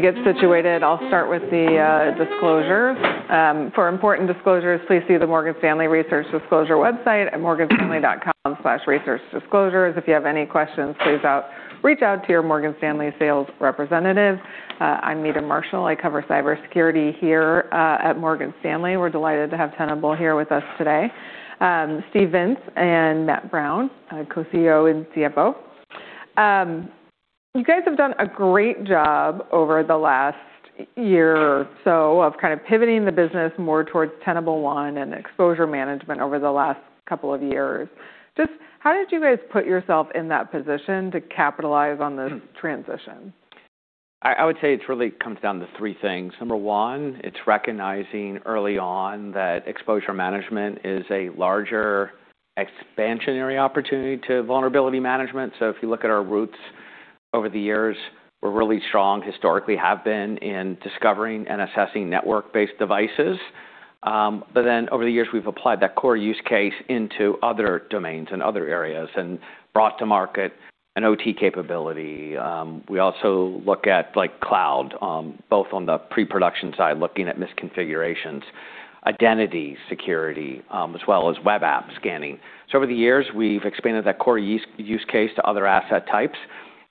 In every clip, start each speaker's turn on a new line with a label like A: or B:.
A: To get situated, I'll start with the disclosure. For important disclosures, please see the Morgan Stanley Research Disclosure website at morganstanley.com/researchdisclosures. If you have any questions, please reach out to your Morgan Stanley sales representative. I'm Nina Marshall. I cover cybersecurity here at Morgan Stanley. We're delighted to have Tenable here with us today. Steve Vintz and Matt Brown, Co-CEO and CFO. You guys have done a great job over the last year or so of kind of pivoting the business more towards Tenable One and exposure management over the last couple of years. Just how did you guys put yourself in that position to capitalize on this transition?
B: I would say it's really comes down to three things. Number one, it's recognizing early on that exposure management is a larger expansionary opportunity to vulnerability management. If you look at our roots over the years, we're really strong, historically have been in discovering and assessing network-based devices. Over the years, we've applied that core use case into other domains and other areas and brought to market an OT capability. We also look at like cloud, both on the pre-production side, looking at misconfigurations, identity security, as well as web app scanning. Over the years we've expanded that core use case to other asset types.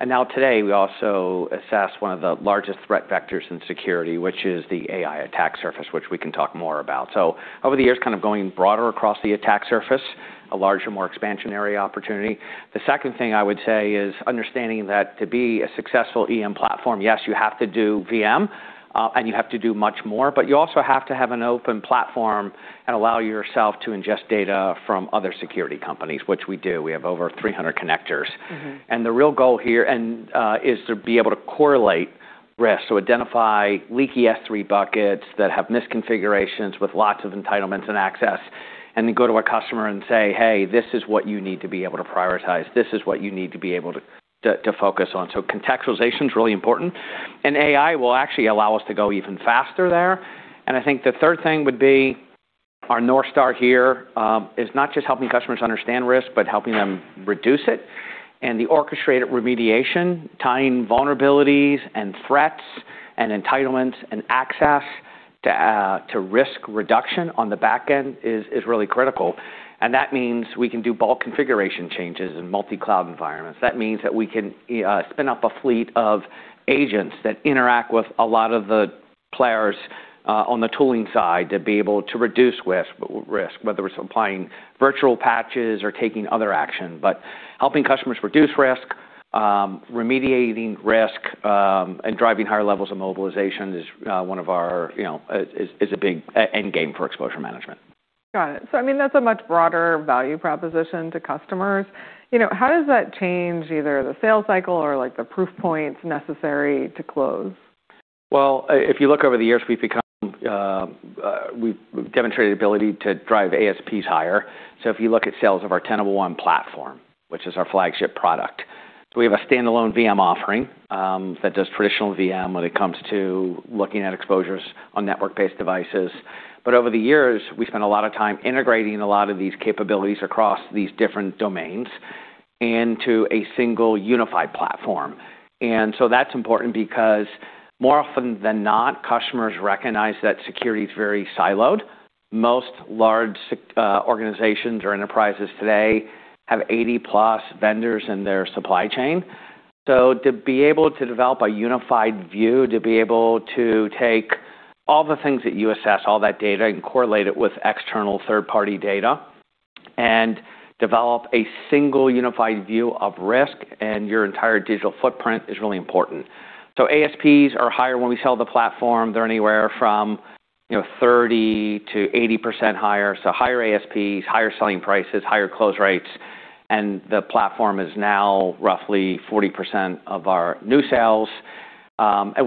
B: Now today we also assess one of the largest threat vectors in security, which is the AI attack surface, which we can talk more about. Over the years, kind of going broader across the attack surface, a larger, more expansionary opportunity. The second thing I would say is understanding that to be a successful EM platform, yes, you have to do VM, and you have to do much more, but you also have to have an open platform and allow yourself to ingest data from other security companies, which we do. We have over 300 connectors.
A: Mm-hmm.
B: The real goal here is to be able to correlate risks to identify leaky S3 buckets that have misconfigurations with lots of entitlements and access, and then go to a customer and say, "Hey, this is what you need to be able to prioritize. This is what you need to be able to focus on." Contextualization is really important, and AI will actually allow us to go even faster there. I think the third thing would be our North Star here is not just helping customers understand risk, but helping them reduce it. The orchestrated remediation, tying vulnerabilities and threats and entitlements and access to risk reduction on the back end is really critical. That means we can do bulk configuration changes in multi-cloud environments. That means that we can spin up a fleet of agents that interact with a lot of the players on the tooling side to be able to reduce risk, whether it's applying virtual patches or taking other action. Helping customers reduce risk, remediating risk, and driving higher levels of mobilization is one of our, you know, is a big endgame for exposure management.
A: Got it. I mean, that's a much broader value proposition to customers. You know, how does that change either the sales cycle or like the proof points necessary to close?
B: Well, if you look over the years, we've become, we've demonstrated the ability to drive ASPs higher. If you look at sales of our Tenable One platform, which is our flagship product. We have a standalone VM offering that does traditional VM when it comes to looking at exposures on network-based devices. Over the years, we spent a lot of time integrating a lot of these capabilities across these different domains into a single unified platform. That's important because more often than not, customers recognize that security is very siloed. Most large organizations or enterprises today have 80-plus vendors in their supply chain. To be able to develop a unified view, to be able to take all the things that you assess, all that data, and correlate it with external third-party data and develop a single unified view of risk and your entire digital footprint is really important. ASPs are higher. When we sell the platform, they're anywhere from, you know, 30%-80% higher. Higher ASPs, higher selling prices, higher close rates, and the platform is now roughly 40% of our new sales.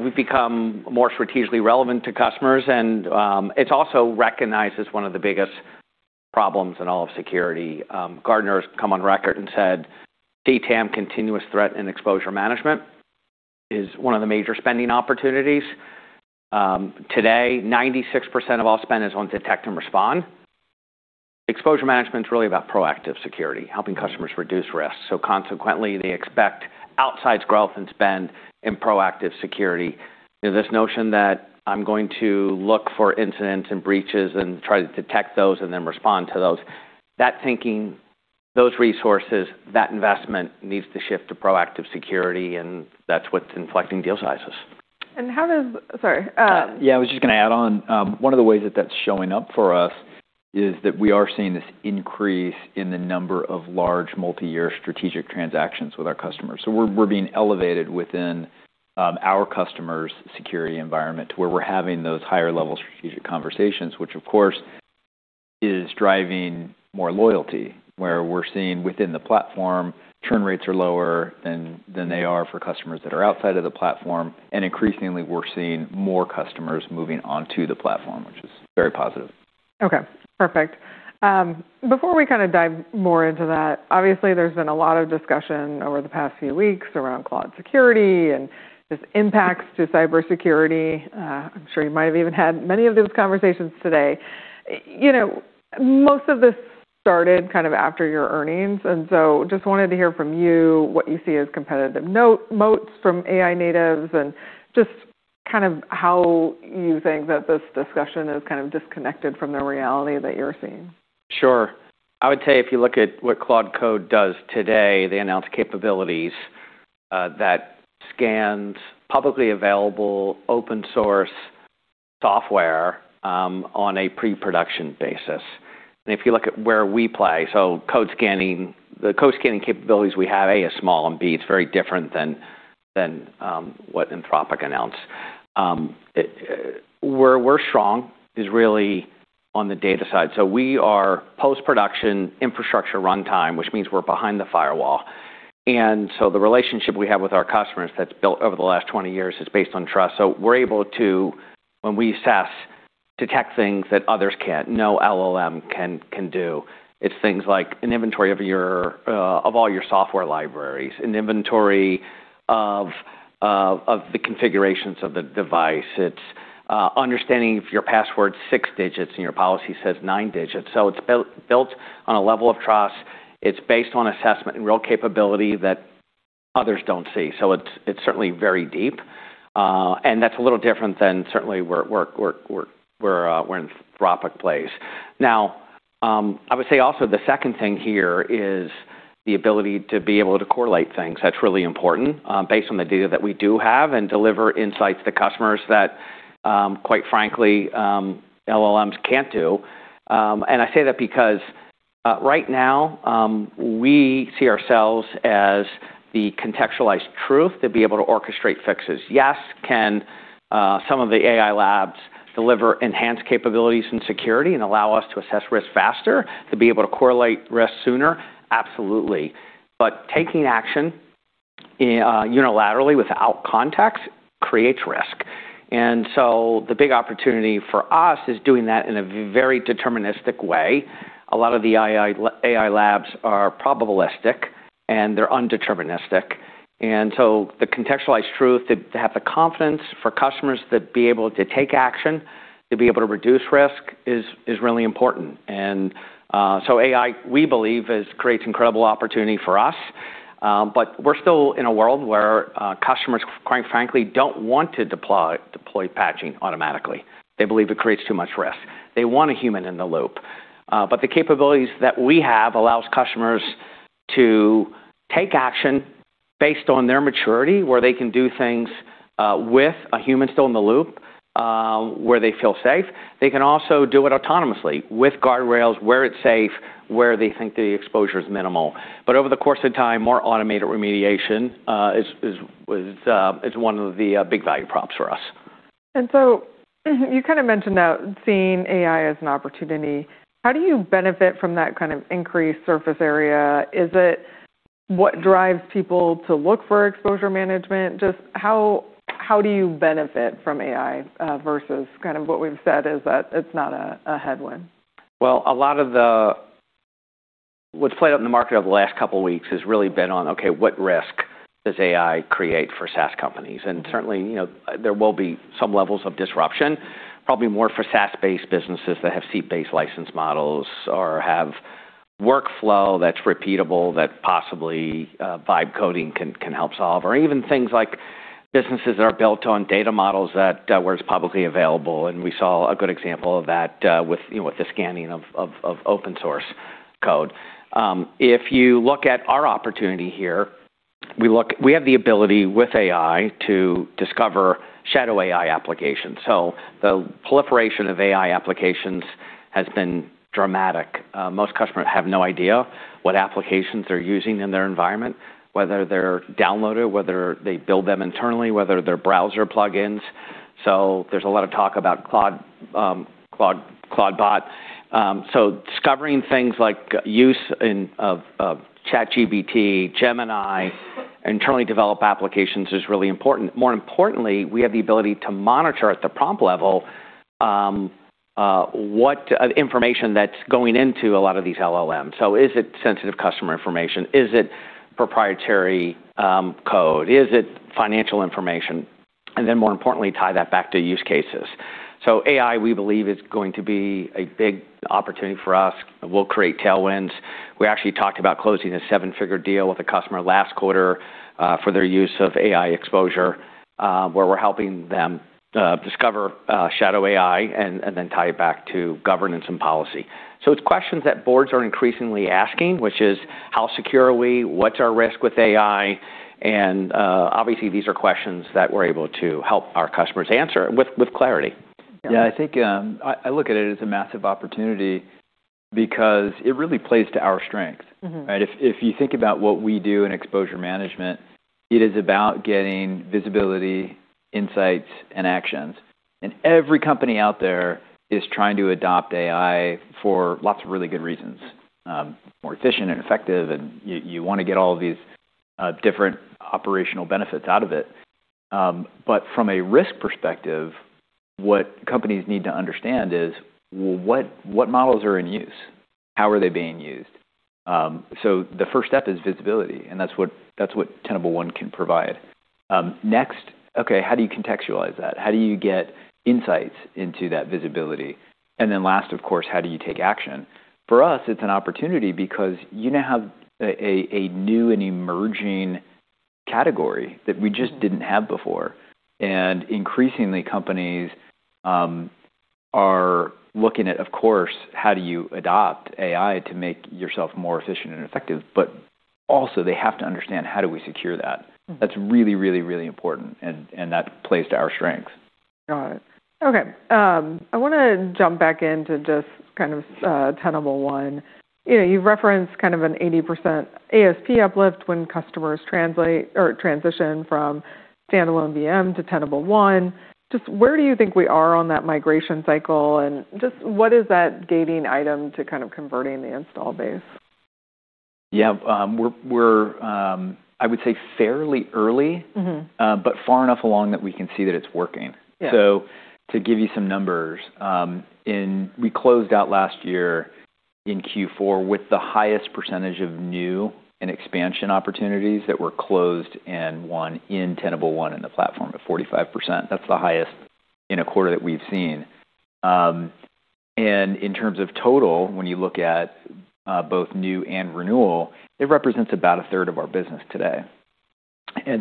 B: We've become more strategically relevant to customers. It's also recognized as one of the biggest problems in all of security. Gartner's come on record and said, "CTEM, continuous threat and exposure management, is one of the major spending opportunities." Today, 96% of all spend is on detect and respond. Exposure management is really about proactive security, helping customers reduce risk. Consequently, they expect outsized growth and spend in proactive security. You know, this notion that I'm going to look for incidents and breaches and try to detect those and then respond to those, that thinking, those resources, that investment needs to shift to proactive security, and that's what's inflecting deal sizes.
A: how does... Sorry.
C: Yeah, I was just gonna add on. One of the ways that that's showing up for us is that we are seeing this increase in the number of large multi-year strategic transactions with our customers. We're being elevated within our customers' security environment to where we're having those higher-level strategic conversations, which of course, is driving more loyalty. Where we're seeing within the platform, churn rates are lower than they are for customers that are outside of the platform. Increasingly we're seeing more customers moving onto the platform, which is very positive.
A: Okay, perfect. Before we kinda dive more into that, obviously there's been a lot of discussion over the past few weeks around cloud security and this impacts to cybersecurity. I'm sure you might have even had many of those conversations today. You know, most of this started kind of after your earnings, just wanted to hear from you what you see as competitive moats from AI natives and Kind of how you think that this discussion is kind of disconnected from the reality that you're seeing?
B: Sure. I would say if you look at what Claude does today, they announce capabilities that scans publicly available open source software on a pre-production basis. If you look at where we play. Code scanning, the code scanning capabilities we have, A, is small, and B, it's very different than what Anthropic announced. Where we're strong is really on the data side. We are post-production infrastructure runtime, which means we're behind the firewall. The relationship we have with our customers that's built over the last 20 years is based on trust. We're able to, when we assess, detect things that others can't, no LLM can do. It's things like an inventory of your of all your software libraries, an inventory of the configurations of the device. It's understanding if your password's 6 digits and your policy says 9 digits. It's built on a level of trust. It's based on assessment and real capability that others don't see. It's certainly very deep, and that's a little different than certainly where Anthropic plays. I would say also the second thing here is the ability to be able to correlate things. That's really important, based on the data that we do have, and deliver insights to customers that, quite frankly, LLMs can't do. I say that because, right now, we see ourselves as the contextualized truth to be able to orchestrate fixes. Yes, can some of the AI labs deliver enhanced capabilities and security and allow us to assess risk faster, to be able to correlate risk sooner? Absolutely. Taking action unilaterally without context creates risk. The big opportunity for us is doing that in a very deterministic way. A lot of the AI labs are probabilistic, and they're undeterministic. The contextualized truth to have the confidence for customers to be able to take action, to be able to reduce risk is really important. AI, we believe, is creates incredible opportunity for us. We're still in a world where customers quite frankly, don't want to deploy patching automatically. They believe it creates too much risk. They want a human in the loop. The capabilities that we have allows customers to take action based on their maturity, where they can do things with a human still in the loop, where they feel safe. They can also do it autonomously with guardrails, where it's safe, where they think the exposure is minimal. Over the course of time, more automated remediation is one of the big value props for us.
A: You kind of mentioned that seeing AI as an opportunity. How do you benefit from that kind of increased surface area? Is it what drives people to look for exposure management? Just how do you benefit from AI versus kind of what we've said is that it's not a headwind?
B: Well, what's played out in the market over the last couple weeks has really been on, okay, what risk does AI create for SaaS companies? Certainly, you know, there will be some levels of disruption, probably more for SaaS-based businesses that have seat-based license models or have workflow that's repeatable that possibly, vibe coding can help solve, or even things like businesses that are built on data models that where it's publicly available, and we saw a good example of that with, you know, with the scanning of open source code. If you look at our opportunity here, we have the ability with AI to discover Shadow AI applications. The proliferation of AI applications has been dramatic. most customers have no idea what applications they're using in their environment, whether they're downloaded, whether they build them internally, whether they're browser plugins. There's a lot of talk about Claude bot. Discovering things like use of ChatGPT, Gemini, internally developed applications is really important. More importantly, we have the ability to monitor at the prompt level, what information that's going into a lot of these LLMs. Is it sensitive customer information? Is it proprietary code? Is it financial information? More importantly, tie that back to use cases. AI, we believe, is going to be a big opportunity for us, and will create tailwinds. We actually talked about closing a seven-figure deal with a customer last quarter for their use of AI exposure, where we're helping them discover Shadow AI and then tie it back to governance and policy. It's questions that boards are increasingly asking, which is, how secure are we? What's our risk with AI? Obviously, these are questions that we're able to help our customers answer with clarity.
A: Yeah.
C: I think, I look at it as a massive opportunity because it really plays to our strengths.
A: Mm-hmm.
C: Right? If you think about what we do in exposure management, it is about getting visibility, insights, and actions. Every company out there is trying to adopt AI for lots of really good reasons. More efficient and effective, and you wanna get all of these different operational benefits out of it. From a risk perspective, what companies need to understand is, what models are in use? How are they being used? The first step is visibility, and that's what Tenable One can provide. Next, okay, how do you contextualize that? How do you get insights into that visibility? Last, of course, how do you take action? For us, it's an opportunity because you now have a new and emerging
B: Category that we just didn't have before. Increasingly, companies are looking at, of course, how do you adopt AI to make yourself more efficient and effective, but also they have to understand how do we secure that.
A: Mm-hmm.
B: That's really, really, really important, and that plays to our strengths.
A: Got it. Okay. I wanna jump back into just kind of Tenable One. You know, you've referenced kind of an 80% ASP uplift when customers translate or transition from standalone VM to Tenable One. Just where do you think we are on that migration cycle, and just what is that gating item to kind of converting the install base?
B: Yeah. We're I would say fairly early-
A: Mm-hmm...
B: but far enough along that we can see that it's working.
A: Yeah.
B: To give you some numbers, We closed out last year in Q4 with the highest percentage of new and expansion opportunities that were closed and won in Tenable One in the platform at 45%. That's the highest in a quarter that we've seen. In terms of total, when you look at both new and renewal, it represents about a third of our business today.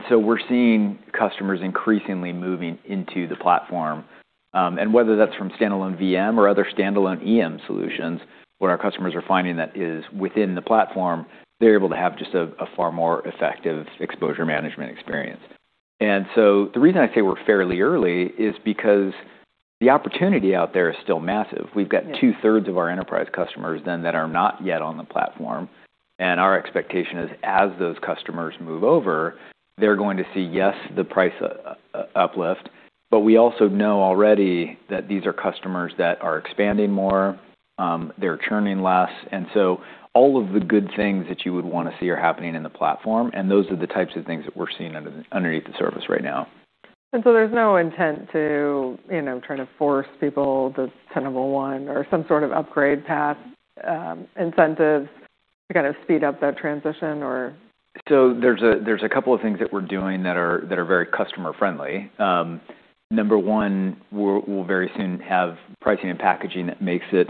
B: We're seeing customers increasingly moving into the platform. And whether that's from standalone VM or other standalone EM solutions, what our customers are finding that is within the platform, they're able to have just a far more effective exposure management experience. The reason I say we're fairly early is because the opportunity out there is still massive.
A: Yeah.
B: We've got two-thirds of our enterprise customers then that are not yet on the platform. Our expectation is as those customers move over, they're going to see, yes, the price uplift. We also know already that these are customers that are expanding more, they're churning less. All of the good things that you would wanna see are happening in the platform. Those are the types of things that we're seeing underneath the surface right now.
A: There's no intent to, you know, try to force people to Tenable One or some sort of upgrade path, incentives to kind of speed up that transition or...
B: There's a couple of things that we're doing that are very customer friendly. Number one, we'll very soon have pricing and packaging that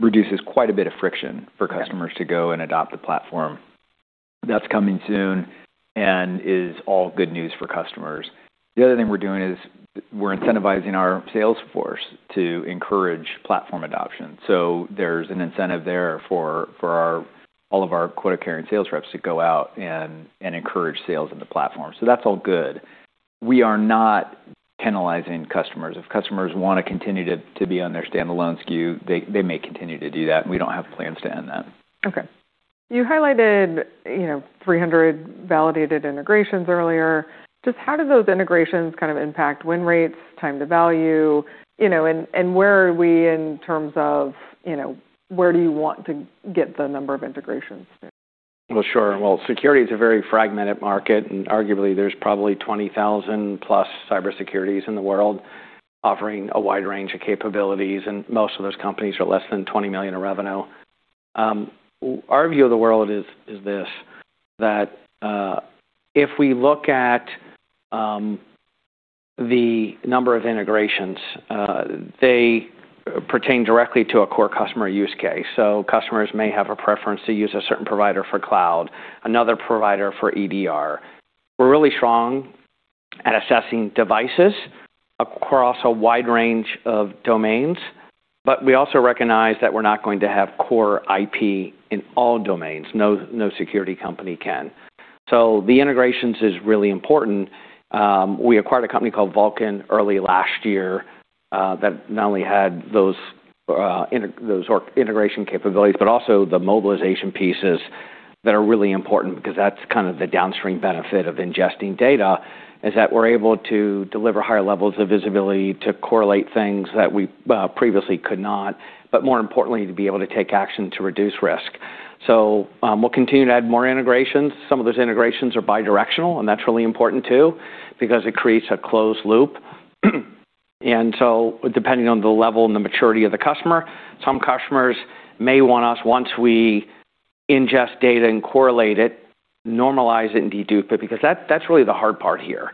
B: reduces quite a bit of friction for customers.
A: Okay...
B: to go and adopt the platform. That's coming soon and is all good news for customers. The other thing we're doing is we're incentivizing our sales force to encourage platform adoption. There's an incentive there for our, all of our quota-carrying sales reps to go out and encourage sales in the platform. That's all good. We are not penalizing customers. If customers wanna continue to be on their standalone SKU, they may continue to do that. We don't have plans to end that.
A: Okay. You highlighted, you know, 300 validated integrations earlier. Just how do those integrations kind of impact win rates, time to value, you know, and where are we in terms of, you know, where do you want to get the number of integrations to?
B: Sure. Security is a very fragmented market, arguably there's probably 20,000 plus cyber securities in the world offering a wide range of capabilities, most of those companies are less than $20 million in revenue. Our view of the world is this: that if we look at the number of integrations, they pertain directly to a core customer use case. Customers may have a preference to use a certain provider for cloud, another provider for EDR. We're really strong at assessing devices across a wide range of domains, we also recognize that we're not going to have core IP in all domains. No, no security company can. The integrations is really important. We acquired a company called Vulcan early last year that not only had those integration capabilities, but also the mobilization pieces that are really important because that's kind of the downstream benefit of ingesting data, is that we're able to deliver higher levels of visibility to correlate things that we previously could not, but more importantly, to be able to take action to reduce risk. We'll continue to add more integrations. Some of those integrations are bi-directional, and that's really important too because it creates a closed loop. Depending on the level and the maturity of the customer, some customers may want us, once we ingest data and correlate it, normalize it and dedupe it, because that's really the hard part here.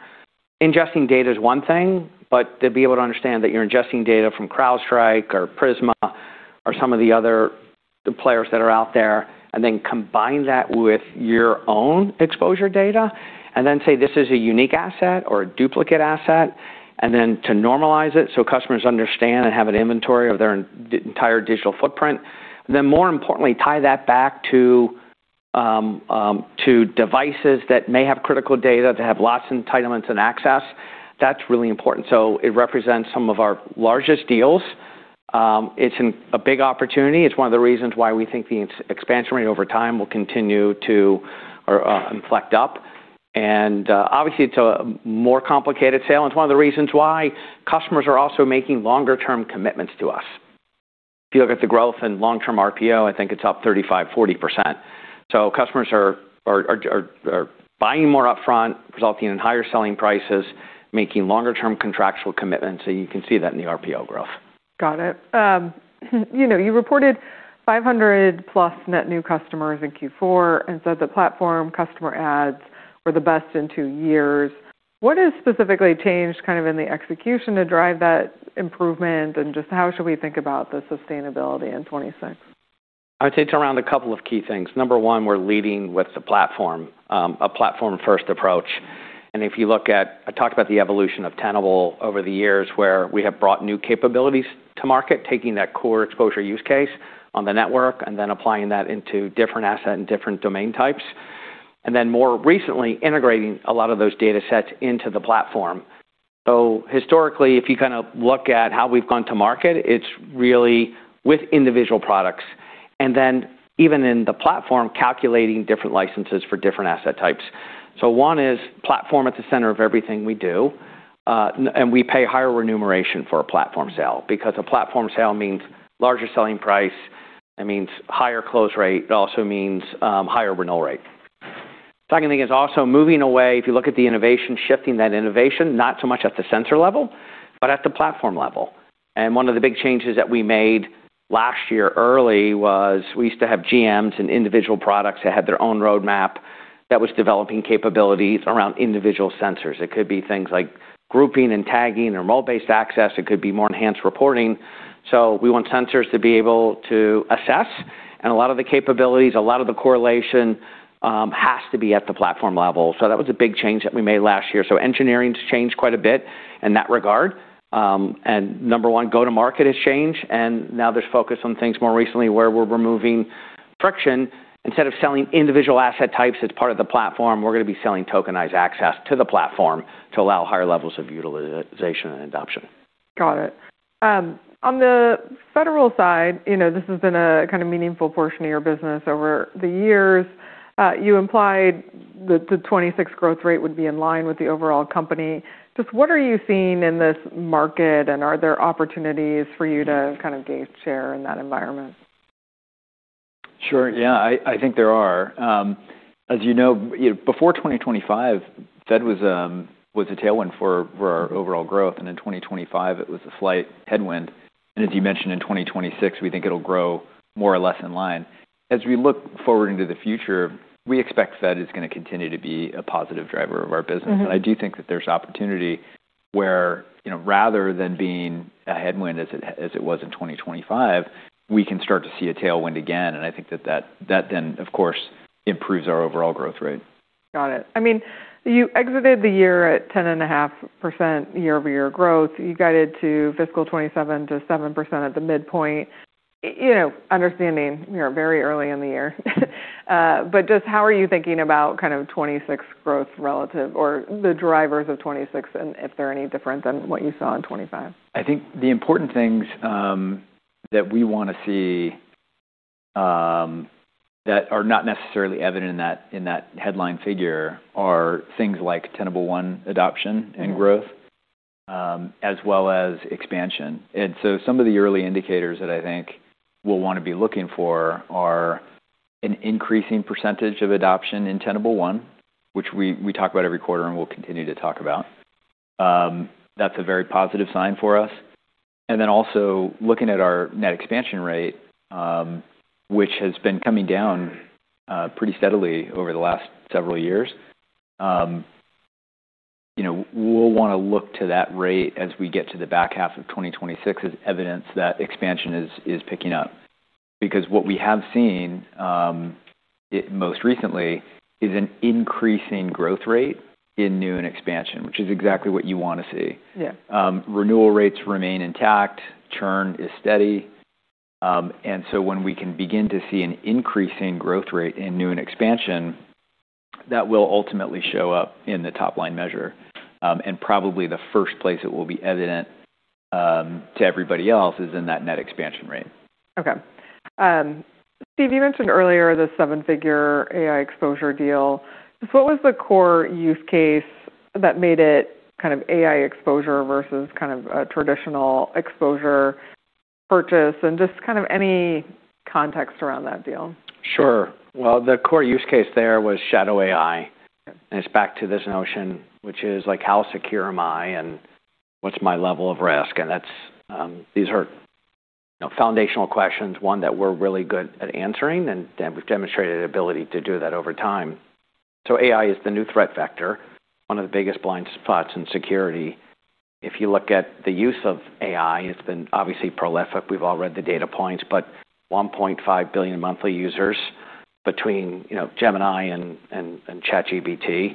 B: Ingesting data is one thing, but to be able to understand that you're ingesting data from CrowdStrike or Prisma or some of the other players that are out there, and then combine that with your own exposure data and then say, "This is a unique asset or a duplicate asset," and then to normalize it so customers understand and have an inventory of their entire digital footprint. More importantly, tie that back to devices that may have critical data, that have lots of entitlements and access, that's really important. It represents some of our largest deals. It's a big opportunity. It's one of the reasons why we think the expansion rate over time will continue to inflect up. Obviously it's a more complicated sale, and it's one of the reasons why customers are also making longer term commitments to us. If you look at the growth in long-term RPO, I think it's up 35%-40%. Customers are buying more upfront, resulting in higher selling prices, making longer term contractual commitments, so you can see that in the RPO growth.
A: Got it. you know, you reported 500+ net new customers in Q4 and said the platform customer adds were the best in two years. What has specifically changed kind of in the execution to drive that improvement, and just how should we think about the sustainability in 2026?
B: I would say it's around a couple of key things. Number one, we're leading with the platform, a platform-first approach. I talked about the evolution of Tenable over the years, where we have brought new capabilities to market, taking that core exposure use case on the network and then applying that into different asset and different domain types. More recently, integrating a lot of those datasets into the platform. Historically, if you kind of look at how we've gone to market, it's really with individual products. Even in the platform, calculating different licenses for different asset types. One is platform at the center of everything we do, and we pay higher remuneration for a platform sale, because a platform sale means larger selling price, it means higher close rate, it also means higher renewal rate. Second thing is also moving away, if you look at the innovation, shifting that innovation, not so much at the sensor level, but at the platform level. One of the big changes that we made last year early was we used to have GMs and individual products that had their own roadmap that was developing capabilities around individual sensors. It could be things like grouping and tagging or role-based access. It could be more enhanced reporting. We want sensors to be able to assess, and a lot of the capabilities, a lot of the correlation, has to be at the platform level. That was a big change that we made last year. Engineering's changed quite a bit in that regard. Number one, go-to-market has changed, and now there's focus on things more recently where we're removing friction. Instead of selling individual asset types as part of the platform, we're gonna be selling tokenized access to the platform to allow higher levels of utilization and adoption.
A: Got it. On the federal side, you know, this has been a kind of meaningful portion of your business over the years. You implied that the 2026 growth rate would be in line with the overall company. Just what are you seeing in this market, and are there opportunities for you to kind of gain share in that environment?
C: Sure. Yeah, I think there are. As you know, before 2025, Fed was a tailwind for our overall growth, and in 2025, it was a slight headwind. As you mentioned, in 2026, we think it'll grow more or less in line. As we look forward into the future, we expect Fed is gonna continue to be a positive driver of our business.
A: Mm-hmm.
C: I do think that there's opportunity where, you know, rather than being a headwind as it was in 2025, we can start to see a tailwind again. I think that then, of course, improves our overall growth rate.
A: Got it. I mean, you exited the year at 10.5% year-over-year growth. You guided to fiscal 2027 to 7% at the midpoint. You know, understanding we are very early in the year. Just how are you thinking about kind of 2026 growth relative or the drivers of 2026 and if they're any different than what you saw in 2025?
C: I think the important things that we wanna see that are not necessarily evident in that headline figure are things like Tenable One adoption and growth as well as expansion. Some of the early indicators that I think we'll wanna be looking for are an increasing percentage of adoption in Tenable One, which we talk about every quarter and we'll continue to talk about. That's a very positive sign for us. Also looking at our net expansion rate, which has been coming down pretty steadily over the last several years. You know, we'll wanna look to that rate as we get to the back half of 2026 as evidence that expansion is picking up. What we have seen, most recently is an increase in growth rate in new and expansion, which is exactly what you wanna see.
A: Yeah.
C: Renewal rates remain intact, churn is steady. When we can begin to see an increase in growth rate in new and expansion, that will ultimately show up in the top-line measure. Probably the first place it will be evident to everybody else is in that net expansion rate.
A: Okay. Steve, you mentioned earlier the seven-figure AI exposure deal. What was the core use case that made it kind of AI exposure versus kind of a traditional exposure purchase, and just kind of any context around that deal?
B: Sure. Well, the core use case there was Shadow AI. It's back to this notion, which is, like, how secure am I and what's my level of risk? That's, these are foundational questions, one that we're really good at answering, and we've demonstrated ability to do that over time. AI is the new threat vector, one of the biggest blind spots in security. If you look at the use of AI, it's been obviously prolific. We've all read the data points, but 1.5 billion monthly users between, you know, Gemini and ChatGPT.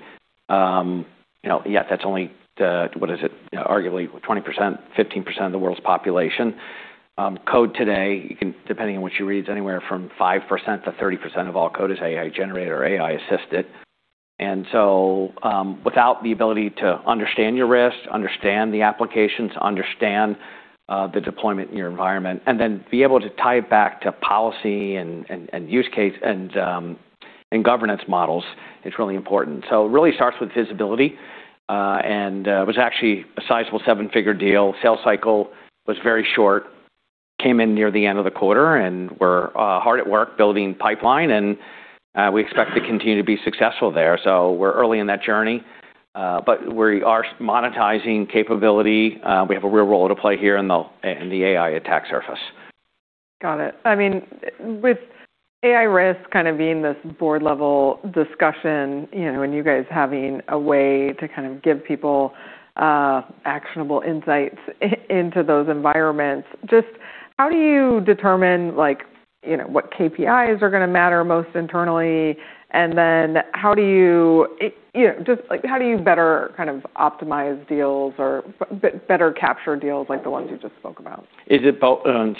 B: You know, yet that's only the, what is it? Arguably 20%, 15% of the world's population. Code today, you can, depending on what you read, is anywhere from 5%-30% of all code is AI-generated or AI-assisted. Without the ability to understand your risk, understand the applications, understand the deployment in your environment, and then be able to tie it back to policy and use case and governance models, it's really important. It really starts with visibility, and it was actually a sizable seven-figure deal. Sales cycle was very short, came in near the end of the quarter, and we're hard at work building pipeline, and we expect to continue to be successful there. We're early in that journey, but we are monetizing capability. We have a real role to play here in the AI attack surface.
A: Got it. I mean, AI risk kind of being this board level discussion, you know, and you guys having a way to kind of give people actionable insights into those environments. Just how do you determine, like, you know, what KPIs are gonna matter most internally? How do you know, just like, how do you better kind of optimize deals or better capture deals like the ones you just spoke about?
B: Is it,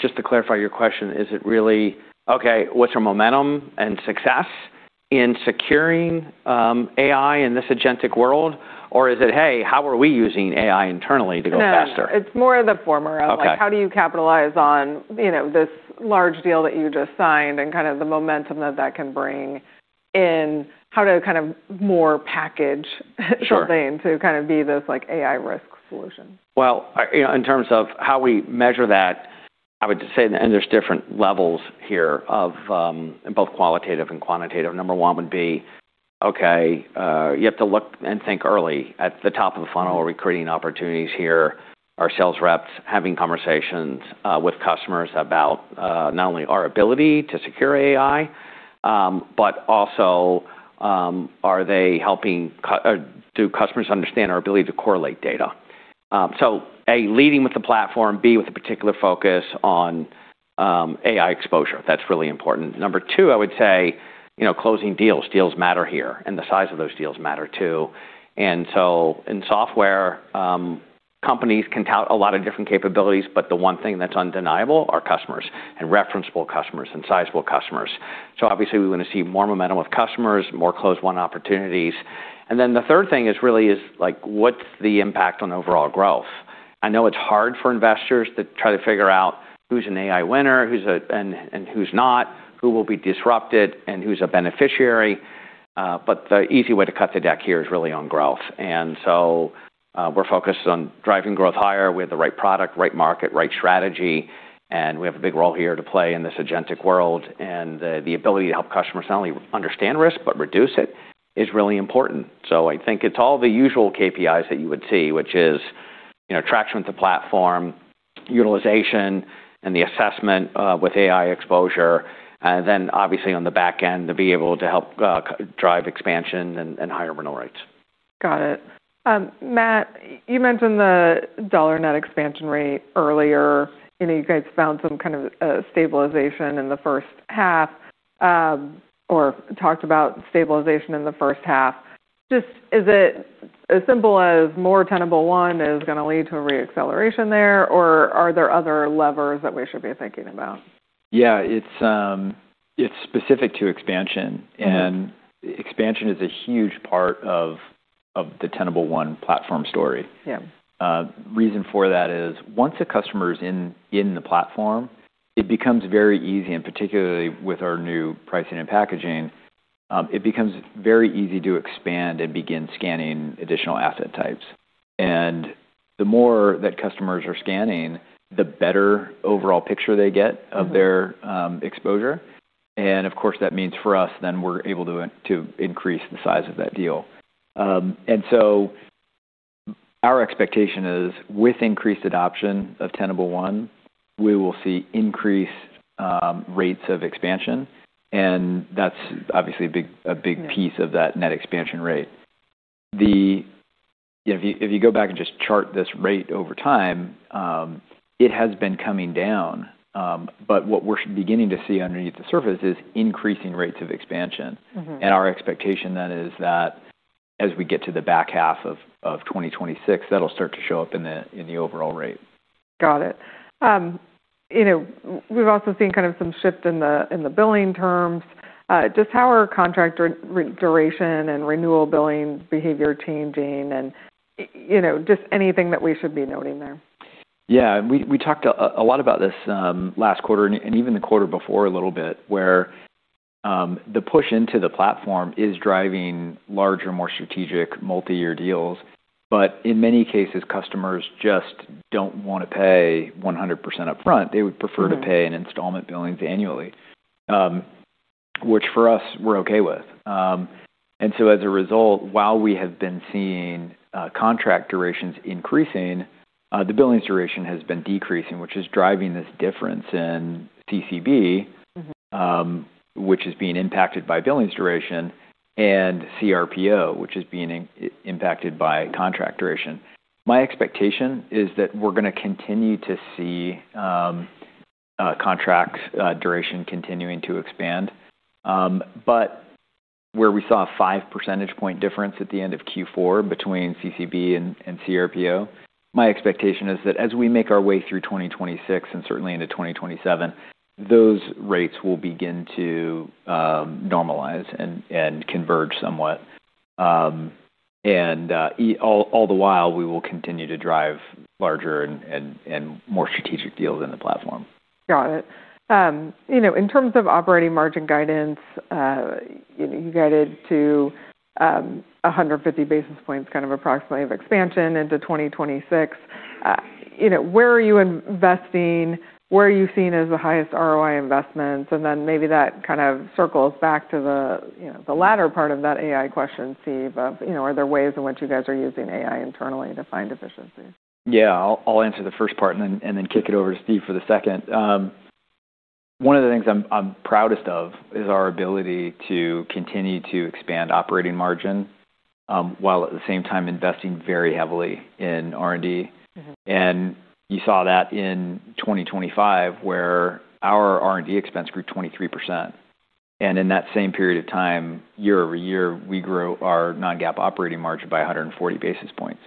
B: just to clarify your question, is it really, okay, what's our momentum and success in securing AI in this agentic world? Or is it, "Hey, how are we using AI internally to go faster?
A: No, no. It's more of the former of like.
B: Okay.
A: How do you capitalize on, you know, this large deal that you just signed and kind of the momentum that that can bring in how to kind of more package-?
B: Sure.
A: something to kind of be this, like, AI risk solution.
B: Well, you know, in terms of how we measure that, I would say there's different levels here of both qualitative and quantitative. Number one would be, okay, you have to look and think early. At the top of the funnel, are we creating opportunities here? Are sales reps having conversations with customers about not only our ability to secure AI, but also, or do customers understand our ability to correlate data? A, leading with the platform, B, with a particular focus on AI exposure. That's really important. Number two, I would say, you know, closing deals. Deals matter here, the size of those deals matter too. In software, companies can tout a lot of different capabilities, but the one thing that's undeniable are customers, and referenceable customers and sizable customers. Obviously, we wanna see more momentum with customers, more closed won opportunities. The third thing is really, like, what's the impact on overall growth? I know it's hard for investors to try to figure out who's an AI winner, and who's not, who will be disrupted, and who's a beneficiary, but the easy way to cut the deck here is really on growth. We're focused on driving growth higher with the right product, right market, right strategy, and we have a big role here to play in this agentic world. The ability to help customers not only understand risk but reduce it is really important. I think it's all the usual KPIs that you would see, which is, you know, traction with the platform, utilization, and the assessment with AI exposure. obviously on the back end, to be able to help drive expansion and higher renewal rates.
A: Got it. Matt, you mentioned the dollar net expansion rate earlier. You know, you guys found some kind of stabilization in the first half, or talked about stabilization in the first half. Just is it as simple as more Tenable One is gonna lead to a re-acceleration there, or are there other levers that we should be thinking about?
C: Yeah. It's specific to expansion. Expansion is a huge part of the Tenable One platform story.
A: Yeah.
C: Reason for that is once a customer is in the platform, it becomes very easy, and particularly with our new pricing and packaging, it becomes very easy to expand and begin scanning additional asset types. The more that customers are scanning, the better overall picture they get.
A: Mm-hmm.
C: -of their, exposure. Of course, that means for us then we're able to increase the size of that deal. Our expectation is with increased adoption of Tenable One, we will see increased rates of expansion, and that's obviously a big piece.
A: Yeah.
C: -of that net expansion rate. If you go back and just chart this rate over time, it has been coming down. What we're beginning to see underneath the surface is increasing rates of expansion.
A: Mm-hmm.
C: Our expectation then is that as we get to the back half of 2026, that'll start to show up in the, in the overall rate.
A: Got it. You know, we've also seen kind of some shift in the, in the billing terms. Just how are contract duration and renewal billing behavior changing? You know, just anything that we should be noting there?
C: Yeah. We talked a lot about this, last quarter and even the quarter before a little bit, where the push into the platform is driving larger, more strategic multi-year deals. In many cases, customers just don't wanna pay 100% upfront.
A: Mm-hmm.
C: They would prefer to pay in installment billings annually, which for us, we're okay with. As a result, while we have been seeing, contract durations increasing, the billings duration has been decreasing, which is driving this difference in Current Calculated Billings.
A: Mm-hmm.
C: which is being impacted by billings duration and CRPO, which is being impacted by contract duration. My expectation is that we're gonna continue to see contract duration continuing to expand. Where we saw a 5 percentage point difference at the end of Q4 between CCB and CRPO, my expectation is that as we make our way through 2026 and certainly into 2027, those rates will begin to normalize and converge somewhat. All the while, we will continue to drive larger and more strategic deals in the platform.
A: Got it. You know, in terms of operating margin guidance, you guided to 150 basis points kind of approximately of expansion into 2026. You know, where are you investing? Where are you seeing as the highest ROI investments? Then maybe that kind of circles back to the, you know, the latter part of that AI question, Steve, of, you know, are there ways in which you guys are using AI internally to find efficiencies?
C: Yeah. I'll answer the first part and then kick it over to Steve for the second.
B: One of the things I'm proudest of is our ability to continue to expand operating margin while at the same time investing very heavily in R&D.
A: Mm-hmm.
B: You saw that in 2025, where our R&D expense grew 23%. In that same period of time, year-over-year, we grew our non-GAAP operating margin by 140 basis points.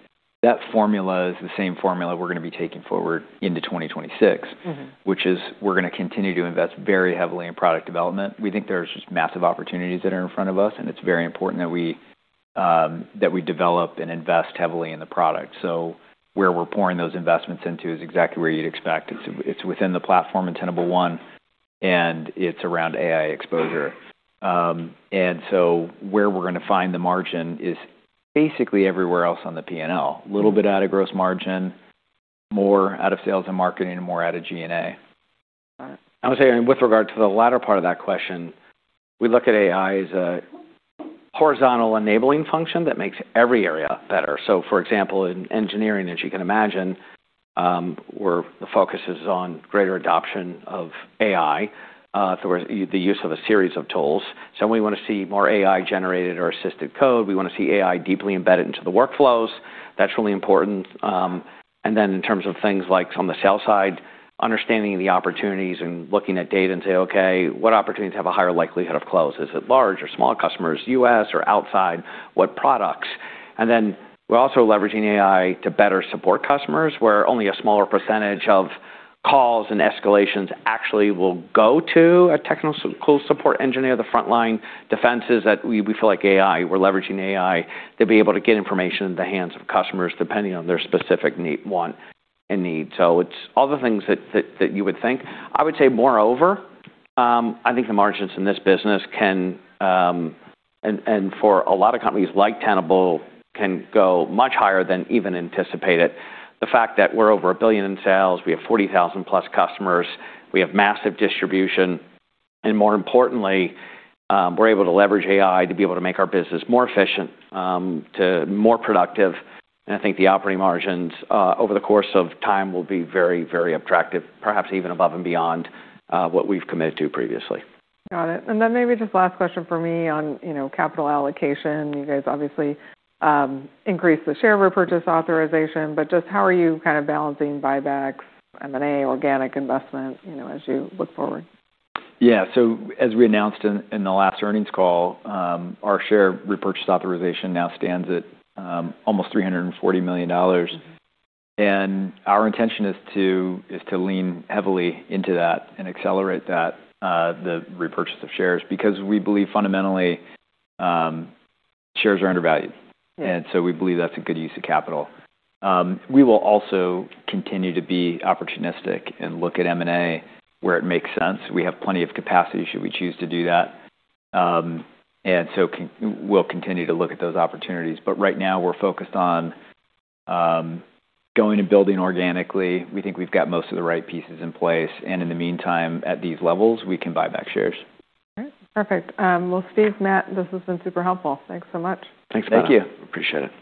B: That formula is the same formula we're gonna be taking forward into 2026.
A: Mm-hmm.
B: Which is we're gonna continue to invest very heavily in product development. We think there's just massive opportunities that are in front of us, and it's very important that we that we develop and invest heavily in the product. Where we're pouring those investments into is exactly where you'd expect. It's within the platform in Tenable One, and it's around AI exposure. Where we're gonna find the margin is basically everywhere else on the P&L.
A: Mm-hmm.
B: Little bit out of gross margin, more out of sales and marketing, and more out of G&A. I would say with regard to the latter part of that question, we look at AI as a horizontal enabling function that makes every area better. For example, in engineering, as you can imagine, the focus is on greater adoption of AI through the use of a series of tools. We wanna see more AI-generated or assisted code. We wanna see AI deeply embedded into the workflows. That's really important. In terms of things like on the sales side, understanding the opportunities and looking at data and say, "Okay, what opportunities have a higher likelihood of close? Is it large or small customers? US or outside? What products? We're also leveraging AI to better support customers, where only a smaller percentage of calls and escalations actually will go to a technical support engineer. The frontline defense is that we feel like AI, we're leveraging AI to be able to get information in the hands of customers depending on their specific need, want, and need. It's all the things that you would think. I would say moreover, I think the margins in this business can, and for a lot of companies like Tenable, can go much higher than even anticipated. The fact that we're over $1 billion in sales, we have 40,000 plus customers, we have massive distribution. More importantly, we're able to leverage AI to be able to make our business more efficient, more productive. I think the operating margins over the course of time will be very, very attractive, perhaps even above and beyond what we've committed to previously.
A: Got it. Then maybe just last question from me on, you know, capital allocation. You guys obviously, increased the share repurchase authorization, but just how are you kind of balancing buybacks, M&A, organic investment, you know, as you look forward?
B: Yeah. As we announced in the last earnings call, our share repurchase authorization now stands at almost $340 million.
A: Mm-hmm.
B: Our intention is to lean heavily into that and accelerate that, the repurchase of shares because we believe fundamentally, shares are undervalued.
A: Yeah.
B: We believe that's a good use of capital. We will also continue to be opportunistic and look at M&A where it makes sense. We have plenty of capacity should we choose to do that. We'll continue to look at those opportunities. Right now we're focused on going and building organically. We think we've got most of the right pieces in place, and in the meantime, at these levels, we can buy back shares.
A: All right. Perfect. Steve, Matt, this has been super helpful. Thanks so much.
B: Thanks, Nin..
C: Thank you.
B: Appreciate it.